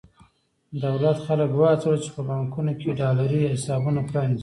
دولت خلک وهڅول چې په بانکونو کې ډالري حسابونه پرانېزي.